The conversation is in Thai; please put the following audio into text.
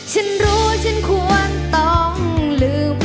ฉันรู้ฉันควรต้องลืม